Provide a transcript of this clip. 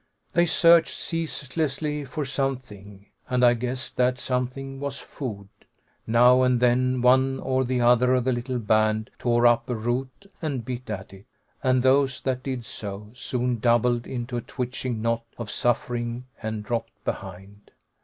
They searched ceaselessly for something, and I guessed that something was food. Now and then one or the other of the little band tore up a root and bit at it, and those that did so soon doubled into a twitching knot of suffering and dropped behind.